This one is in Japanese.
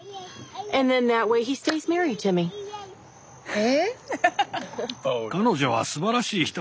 え？